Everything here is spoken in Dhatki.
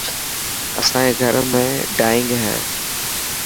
اسائي گهر ۾ ڊائنگ هي.